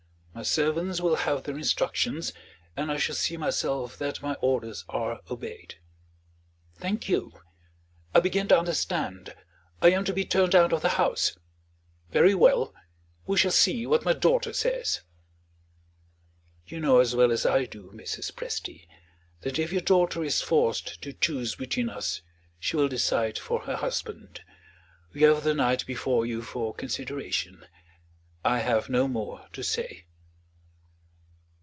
My servants will have their instructions; and I shall see myself that my orders are obeyed." "Thank you. I begin to understand; I am to be turned out of the house. Very well. We shall see what my daughter says." "You know as well as I do, Mrs. Presty, that if your daughter is forced to choose between us she will decide for her husband. You have the night before you for consideration. I have no more to say."